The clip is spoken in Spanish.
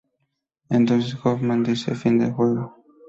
Entonces Hoffman dice "Fin del juego".